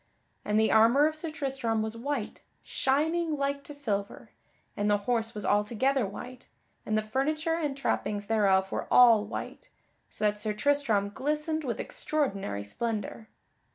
And the armor of Sir Tristram was white, shining like to silver, and the horse was altogether white, and the furniture and trappings thereof were all white, so that Sir Tristram glistened with extraordinary splendor.